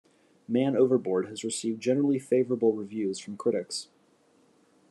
"Man Overboard" has received generally favorable reviews from critics.